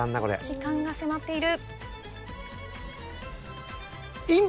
時間が迫っている。